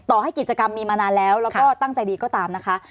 ต่อให้กิจกรรมมีมานานแล้วแล้วก็ตั้งใจดีก็ตามนะคะ